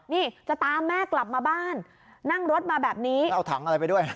นี่จะตามแม่กลับมาบ้านนั่งรถมาแบบนี้เอาถังอะไรไปด้วย